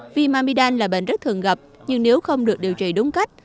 viêm amidam là bệnh rất thường gặp nhưng nếu không được điều trị đúng cách